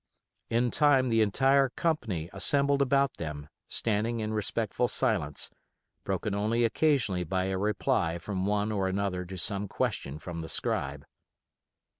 In time the entire company assembled about them, standing in respectful silence, broken only occasionally by a reply from one or another to some question from the scribe.